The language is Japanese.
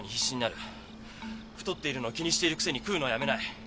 太っているのを気にしてるくせに食うのをやめない。